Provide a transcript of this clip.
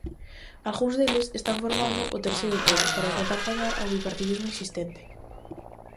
Algúns deles están formando "o terceiro polo" para intentar gañar ao bipartidismo existente.